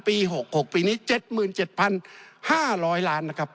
ปีหกหกปีนี้เจ็ดหมื่นเจ็ดพันห้าร้อยล้านนะครับ